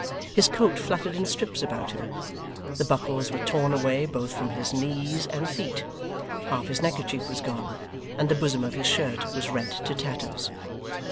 His coat fluttered in strips about him, the buckles were torn away both from his knees and feet, half his neckerchief was gone, and the bosom of his shirt was rent to tatters.